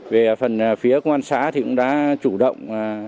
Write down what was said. về phần phía quan sát thì cũng đã chủ động